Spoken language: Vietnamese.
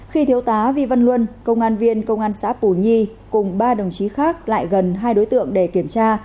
khi thiếu tá vi văn luân công an viên công an xã pù nhi cùng ba đồng chí khác lại gần hai đối tượng để kiểm tra